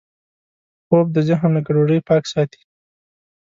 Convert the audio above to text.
خوب د ذهن له ګډوډۍ پاک ساتي